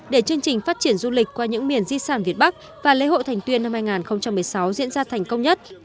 để chương trình phát triển du lịch qua những miền di sản việt bắc và lễ hội thành tuyên năm hai nghìn một mươi sáu diễn ra thành công nhất